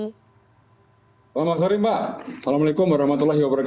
selamat sore mbak assalamualaikum wr wb